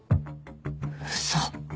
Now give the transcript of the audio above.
嘘。